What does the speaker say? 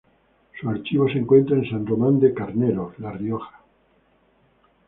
Su archivo se encuentra en San Román de Cameros, La Rioja.